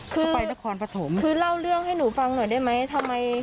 คือไปนครปฐมคือเล่าเรื่องให้หนูฟังหน่อยได้ไหมทำไม